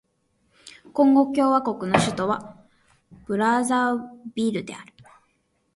コンゴ共和国の首都はブラザヴィルである